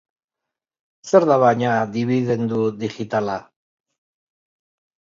Zer da, baina, dibidendu digitala?